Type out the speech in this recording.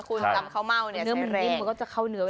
คุณตำเข้าเม่าเนี่ยใช้แรง